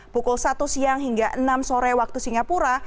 pukul satu siang hingga enam sore waktu singapura